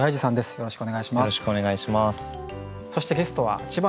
よろしくお願いします。